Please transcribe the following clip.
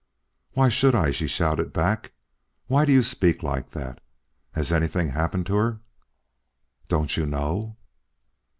"Why should I?" she shouted back. "Why do you speak like that? Has anything happened to her?" "Don't you know?"